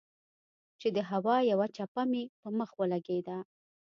چې د هوا يوه چپه مې پۀ مخ ولګېده